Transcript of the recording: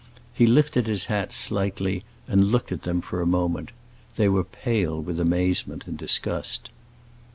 He lifted his hat slightly, and looked at them for a moment; they were pale with amazement and disgust.